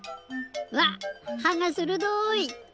うわっはがするどい！